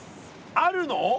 あるの？